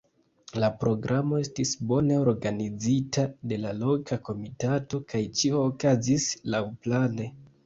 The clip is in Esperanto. La programo estis bone organizita de la loka komitato, kaj ĉio okazis laŭplane.